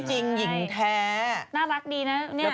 ช่วงหน้า